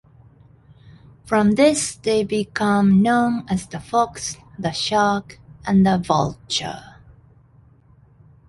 From this, they become known as the Fox, the Shark and the Vulture.